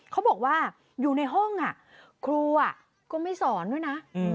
เขาบอกว่าอยู่ในห้องครูก็ไม่สอนด้วยนะ